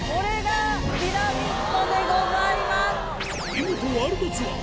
「イモトワールドツアー」